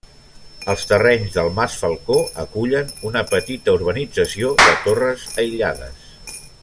Els terrenys del Mas Falcó acullen una petita urbanització de torres aïllades.